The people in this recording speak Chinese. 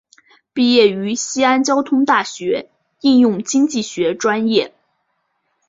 毕业于西安交通大学应用经济学专业。